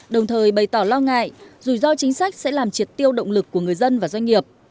đồng thời bày tỏ lo ngại rủi ro chính sách sẽ làm triệt tiêu động lực của người dân và doanh nghiệp